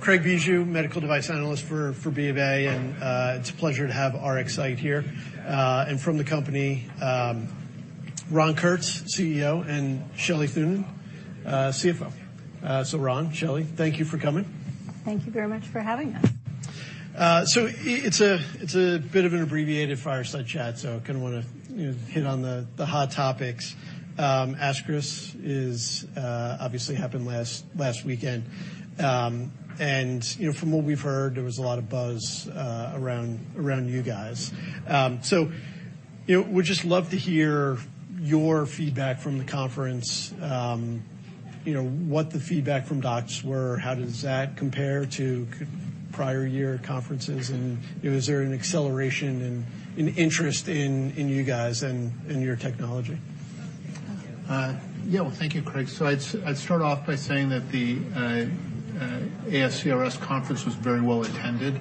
Craig Bijou, Medical Device Analyst for BofA. It's a pleasure to have RxSight here. From the company, Ron Kurtz, CEO, and Shelley Thunen, CFO. Ron, Shelley, thank you for coming. Thank you very much for having us. It's a bit of an abbreviated fireside chat, so I kinda wanna, you know, hit on the hot topics. ASCRS is obviously happened last weekend. You know, from what we've heard, there was a lot of buzz around you guys. You know, would just love to hear your feedback from the conference. You know, what the feedback from docs were, how does that compare to prior year conferences? You know, is there an acceleration and an interest in you guys and in your technology? Yeah, well, thank you, Craig. I'd start off by saying that the ASCRS conference was very well attended.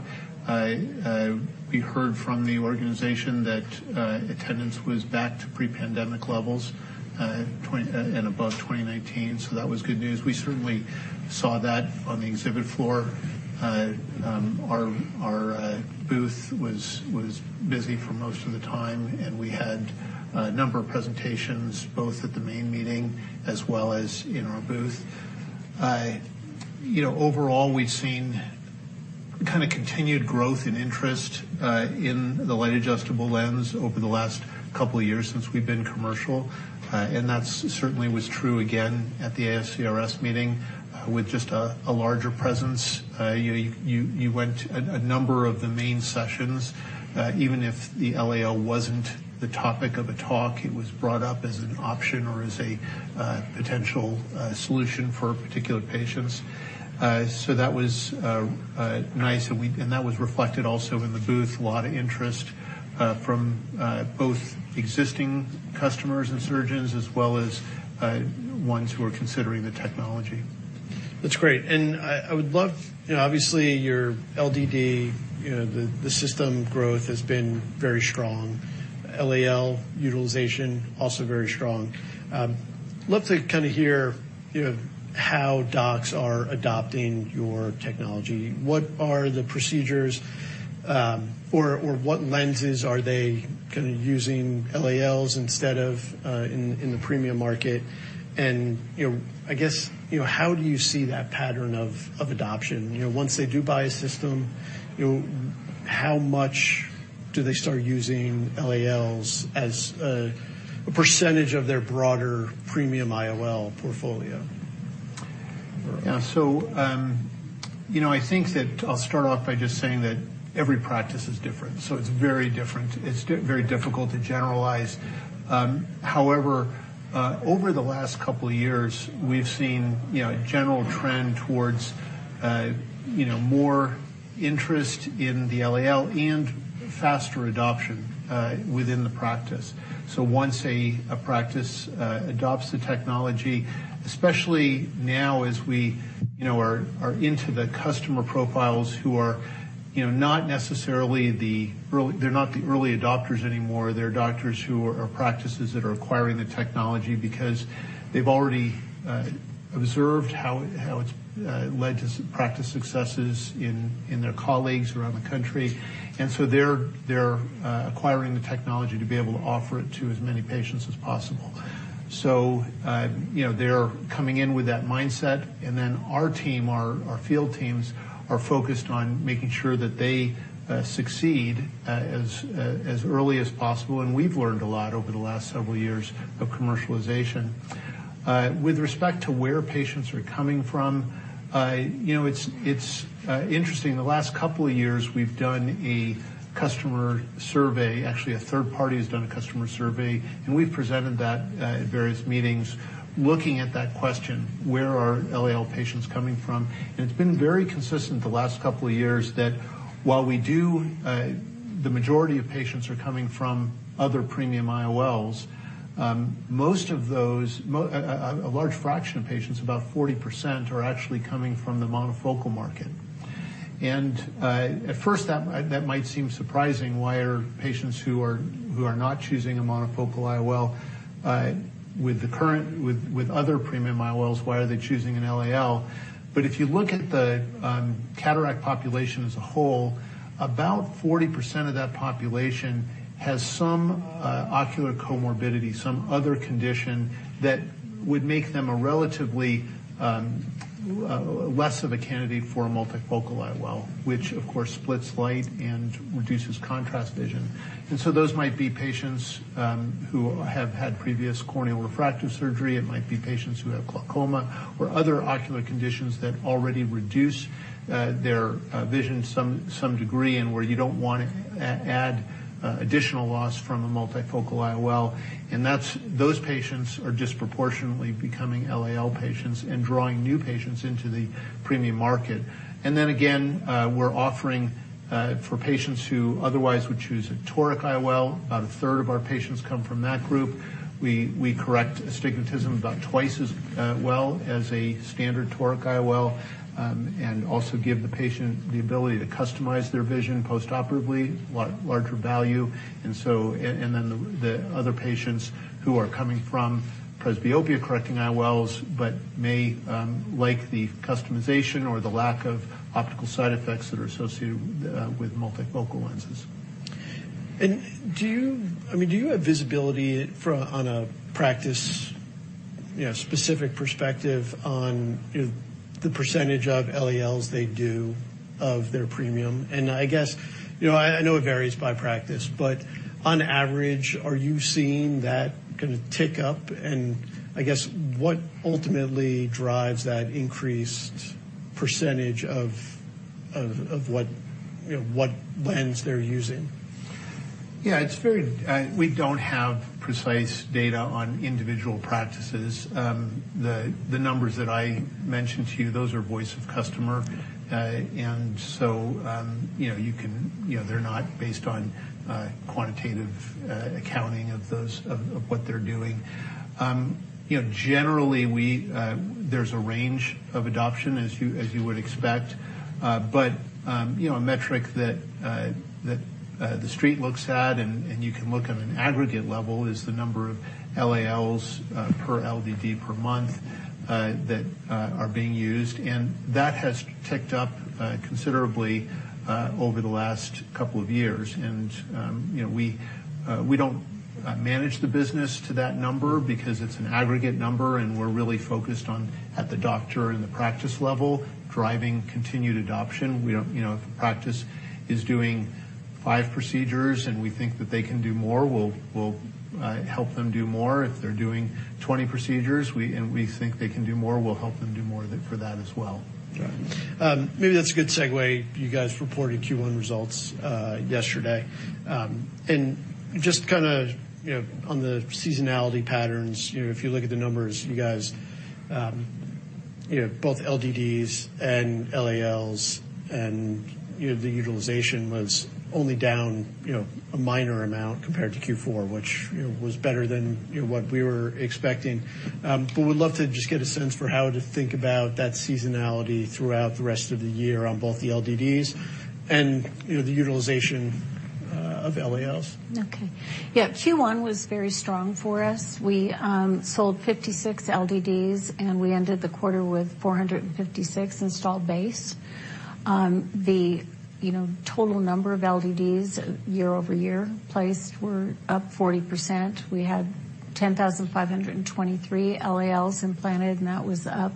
We heard from the organization that attendance was back to pre-pandemic levels and above 2019, that was good news. We certainly saw that on the exhibit floor. Our booth was busy for most of the time, and we had a number of presentations, both at the main meeting as well as in our booth. You know, overall, we've seen kinda continued growth and interest in the Light Adjustable Lens over the last couple years since we've been commercial. That's certainly was true again at the ASCRS meeting with just a larger presence. You went to a number of the main sessions. Even if the LAL wasn't the topic of a talk, it was brought up as an option or as a potential solution for particular patients. That was nice, and that was reflected also in the booth. A lot of interest from both existing customers and surgeons as well as ones who are considering the technology. That's great. I would love. You know, obviously your LDD, you know, the system growth has been very strong. LAL utilization also very strong. Love to kinda hear, you know, how docs are adopting your technology. What are the procedures, or what lenses are they kinda using LALs instead of in the premium market? You know, I guess, you know, how do you see that pattern of adoption? You know, once they do buy a system, you know, how much do they start using LALs as a percentage of their broader premium IOL portfolio? Yeah. You know, I think that I'll start off by just saying that every practice is different, so it's very different. It's very difficult to generalize. However, over the last couple years, we've seen, you know, a general trend towards, you know, more interest in the LAL and faster adoption within the practice. Once a practice adopts the technology, especially now as we, you know, are into the customer profiles who are, you know, not necessarily the early. They're not the early adopters anymore. They're doctors who, or practices that are acquiring the technology because they've already observed how it's led to practice successes in their colleagues around the country. They're acquiring the technology to be able to offer it to as many patients as possible. You know, they're coming in with that mindset, and then our team, our field teams are focused on making sure that they succeed as early as possible, and we've learned a lot over the last several years of commercialization. With respect to where patients are coming from, you know, it's interesting. The last couple years, we've done a customer survey. Actually, a third party has done a customer survey, and we've presented that at various meetings, looking at that question, where are LAL patients coming from? It's been very consistent the last couple of years that while we do, the majority of patients are coming from other premium IOLs, most of those, a large fraction of patients, about 40%, are actually coming from the monofocal market. At first that might seem surprising. Why are patients who are not choosing a monofocal IOL with other premium IOLs, why are they choosing an LAL? If you look at the cataract population as a whole, about 40% of that population has some ocular comorbidity, some other condition that would make them a relatively less of a candidate for a multifocal IOL, which of course splits light and reduces contrast vision. Those might be patients who have had previous corneal refractive surgery. It might be patients who have glaucoma or other ocular conditions that already reduce their vision to some degree, and where you don't wanna add additional loss from a multifocal IOL. That's, those patients are disproportionately becoming LAL patients and drawing new patients into the premium market. Again, we're offering for patients who otherwise would choose a toric IOL. About a third of our patients come from that group. We correct astigmatism about twice as well as a standard toric IOL, and also give the patient the ability to customize their vision postoperatively, larger value. The other patients who are coming from presbyopia-correcting IOLs, but may like the customization or the lack of optical side effects that are associated with multifocal lenses. Do you, I mean, do you have visibility from, on a practice, you know, specific perspective on, you know, the percentage of LALs they do of their premium? I guess, you know, I know it varies by practice, but on average, are you seeing that gonna tick up? I guess what ultimately drives that increased percentage of, of what, you know, what lens they're using? It's very. We don't have precise data on individual practices. The numbers that I mentioned to you, those are voice of customer. Yeah. You know, they're not based on quantitative accounting of what they're doing. You know, generally we, there's a range of adoption as you would expect. You know, a metric that the Street looks at and you can look at an aggregate level is the number of LALs per LDD per month that are being used. That has ticked up considerably over the last two years. You know, we don't manage the business to that number because it's an aggregate number, and we're really focused on at the doctor and the practice level, driving continued adoption. We don't. You know, if a practice is doing five procedures, and we think that they can do more, we'll help them do more. If they're doing 20 procedures, we think they can do more, we'll help them do more for that as well. Got it. Maybe that's a good segue. You guys reported Q1 results, yesterday. Just kinda, you know, on the seasonality patterns, you know, if you look at the numbers, you guys, you know, both LDDs and LALs, and, you know, the utilization was only down, you know, a minor amount compared to Q4, which, you know, was better than, you know, what we were expecting. But we'd love to just get a sense for how to think about that seasonality throughout the rest of the year on both the LDDs and, you know, the utilization, of LALs. Okay. Yeah, Q1 was very strong for us. We sold 56 LDDs, and we ended the quarter with 456 installed base. The, you know, total number of LDDs year-over-year placed were up 40%. We had 10,523 LALs implanted, and that was up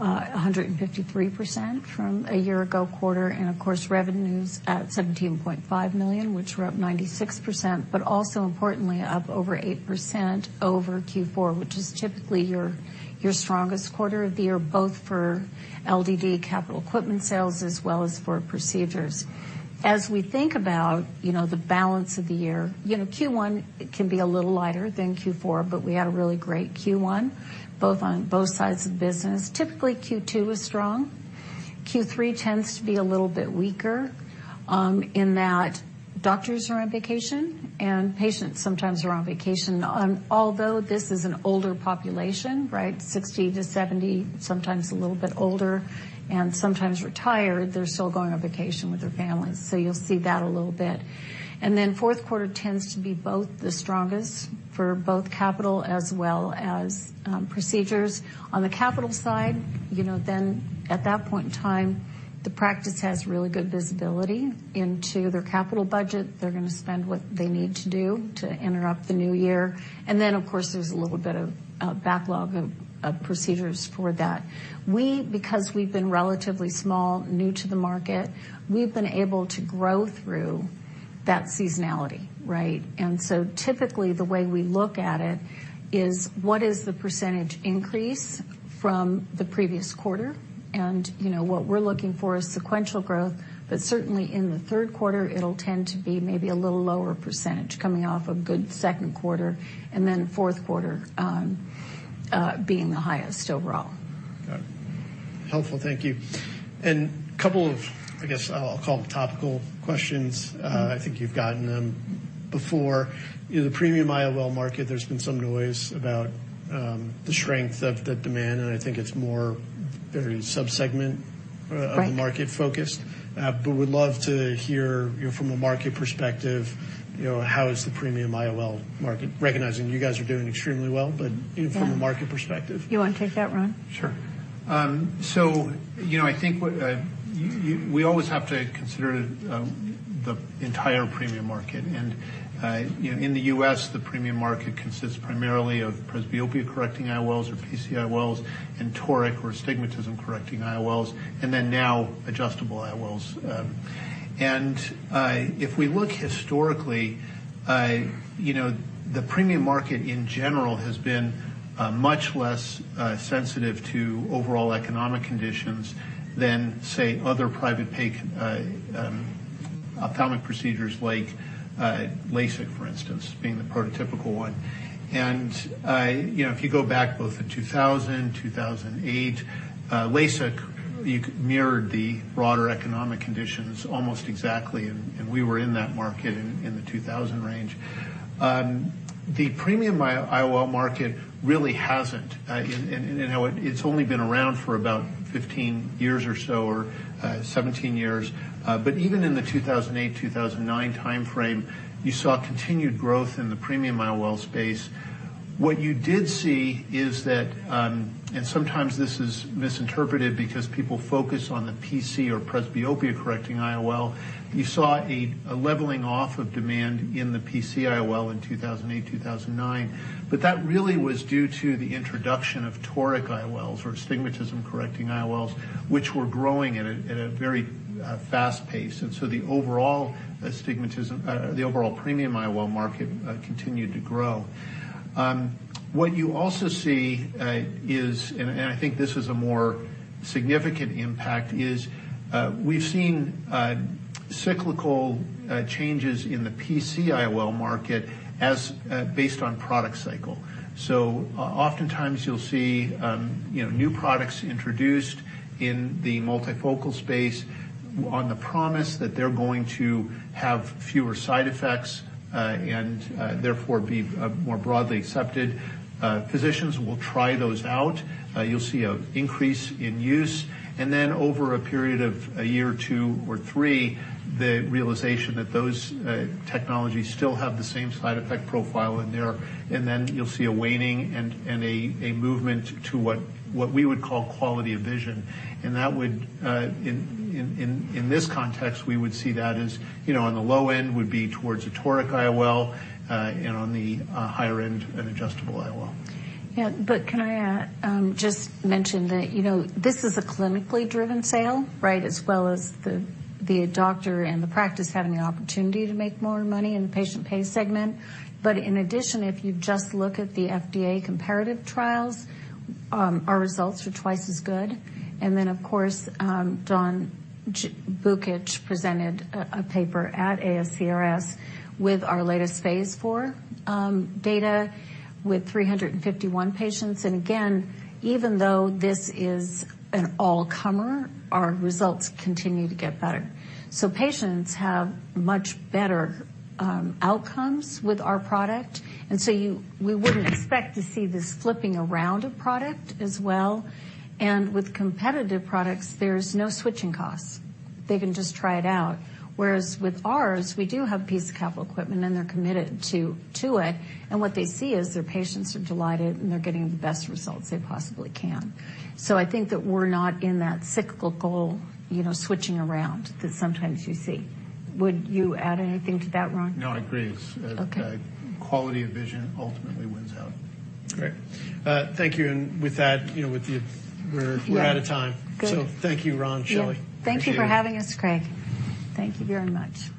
153% from a year ago quarter. Of course, revenues at $17.5 million, which were up 96%, but also importantly up over 8% over Q4, which is typically your strongest quarter of the year, both for LDD capital equipment sales as well as for procedures. As we think about, you know, the balance of the year, you know, Q1 can be a little lighter than Q4, but we had a really great Q1, both on both sides of the business. Typically, Q2 is strong. Q3 tends to be a little bit weaker, in that doctors are on vacation and patients sometimes are on vacation. Although this is an older population, right, 60 to 70, sometimes a little bit older and sometimes retired, they're still going on vacation with their families. You'll see that a little bit. Fourth quarter tends to be both the strongest for both capital as well as procedures. On the capital side, you know, at that point in time, the practice has really good visibility into their capital budget. They're gonna spend what they need to do to enter up the new year. Of course, there's a little bit of a backlog of procedures for that. We, because we've been relatively small, new to the market, we've been able to grow through that seasonality, right? Typically, the way we look at it is what is the percentage increase from the previous quarter? You know, what we're looking for is sequential growth, certainly in the third quarter it'll tend to be maybe a little lower percentage coming off a good second quarter, fourth quarter, being the highest overall. Got it. Helpful. Thank you. Couple of, I guess I'll call them topical questions, I think you've gotten them before. You know, the premium IOL market, there's been some noise about the strength of the demand, and I think it's more very sub-segment- Right. of the market focused. Would love to hear, you know, from a market perspective, you know, how is the premium IOL market, recognizing you guys are doing extremely well. Yeah. -you know, from a market perspective. You wanna take that, Ron? Sure. You know, I think what we always have to consider, the entire premium market. You know, in the U.S., the premium market consists primarily of presbyopia-correcting IOLs or PC-IOLs and toric or astigmatism-correcting IOLs, and then now adjustable IOLs. If we look historically, you know, the premium market in general has been much less sensitive to overall economic conditions than, say, other private pay ophthalmic procedures like LASIK, for instance, being the prototypical one. You know, if you go back both in 2000, 2008, LASIK, you mirrored the broader economic conditions almost exactly, and we were in that market in the 2000 range. The premium IOL market really hasn't. You know, it's only been around for about 15 years or so, or 17 years. Even in the 2008, 2009 timeframe, you saw continued growth in the premium IOL space. What you did see is that, and sometimes this is misinterpreted because people focus on the PC or presbyopia-correcting IOL. You saw a leveling off of demand in the PC-IOL in 2008, 2009, but that really was due to the introduction of toric IOLs or astigmatism-correcting IOLs, which were growing at a very fast pace. The overall premium IOL market continued to grow. What you also see is, and I think this is a more significant impact, is we've seen cyclical changes in the PC-IOL market as based on product cycle. Oftentimes you'll see, you know, new products introduced in the multifocal space on the promise that they're going to have fewer side effects, and therefore be more broadly accepted. Physicians will try those out. You'll see an increase in use, and then over a period of a year or two or three, the realization that those technologies still have the same side effect profile in there. Then you'll see a waning and a movement to what we would call quality of vision. That would, in this context, we would see that as, you know, on the low end would be towards a toric IOL, and on the higher end, an adjustable IOL. Yeah, can I just mention that, you know, this is a clinically driven sale, right? As well as the doctor and the practice having the opportunity to make more money in the patient pay segment. In addition, if you just look at the FDA comparative trials, our results are twice as good. Of course, John A. Vukich presented a paper at ASCRS with our latest phase IV data with 351 patients. Again, even though this is an all-comer, our results continue to get better. Patients have much better outcomes with our product, and we wouldn't expect to see this flipping around of product as well. With competitive products, there's no switching costs. They can just try it out, whereas with ours, we do have piece of capital equipment, and they're committed to it. What they see is their patients are delighted, and they're getting the best results they possibly can. I think that we're not in that cyclical, you know, switching around that sometimes you see. Would you add anything to that, Ron? No, I agree. Okay. Quality of vision ultimately wins out. Great. Thank you, with that, you know, we're out of time. Good. Thank you, Ron, Shelley. Appreciate it. Thank you for having us, Craig. Thank you very much.